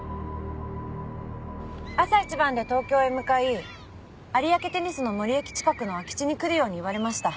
朝一番で東京へ向かい有明テニスの森駅近くの空き地に来るように言われました。